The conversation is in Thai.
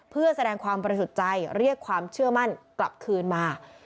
เพื่อแสดงความบริสุทธิ์ใจเรียกความเชื่อมั่นกลับคืนมา